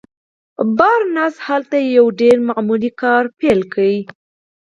بارنس هلته يو ډېر معمولي کار پيل کړ.